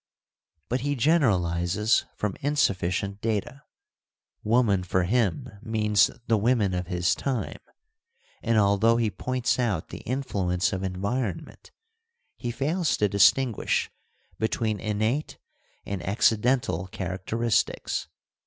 But he generalises from insufficient data : Woman for him means the women of his time, and although he points out the influence of environment, he fails to distinguish between innate and accidental charac teristics.